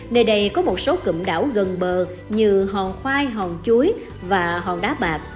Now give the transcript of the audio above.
nơi đây có một số cụm đảo gần bờ như hòn khoai hòn chuối và hòn đá bạc